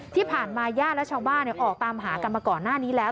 ที่ผ่านมาญาติและชาวบ้านออกตามหากันมาก่อนหน้านี้แล้ว